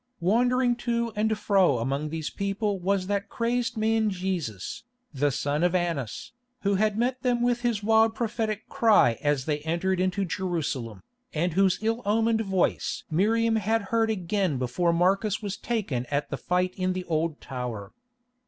Wandering to and fro among these people was that crazed man Jesus, the son of Annas, who had met them with his wild prophetic cry as they entered into Jerusalem, and whose ill omened voice Miriam had heard again before Marcus was taken at the fight in the Old Tower.